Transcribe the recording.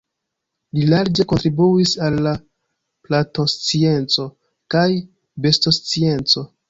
Li larĝe kontribuis al la plantoscienco kaj bestoscienco.